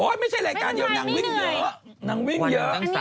โอ้โหไม่ใช่รายการนี้นางวิ่งเยอะนางวิ่งเยอะ